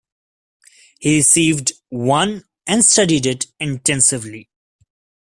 He received one and studied it intensively.